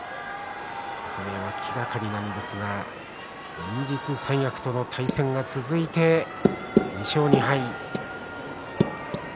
朝乃山、気がかりなんですが連日三役との対戦が続いていて２勝２敗です。